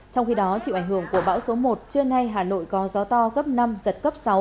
trong khi đó chịu ảnh hưởng của bão số một trưa nay hà nội có gió to cấp năm giật cấp sáu